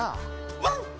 ワン！